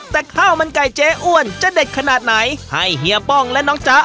แต่ข้าวมันไก่เจ๊อ้วนจะเด็ดขนาดไหนให้เฮียป้องและน้องจ๊ะ